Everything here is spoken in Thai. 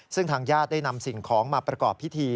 ซึ่งทางญาติได้นำสิ่งของมาประกอบพิธี